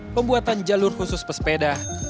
pembuatan jalur khusus pesepeda